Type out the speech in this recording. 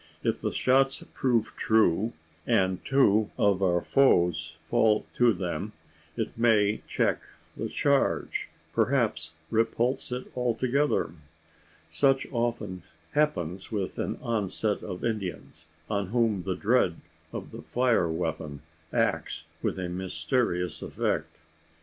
If the shots prove true, and two of our foes fall to them, it may check the charge, perhaps repulse it altogether? Such often happens with an onset of Indians on whom the dread of the fire weapon acts with a mysterious effect.